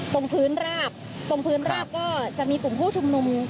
ตรงพื้นราบก็จะมีกรุงผู้ชมนม